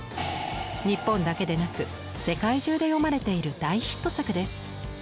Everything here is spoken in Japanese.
日本だけでなく世界中で読まれている大ヒット作です。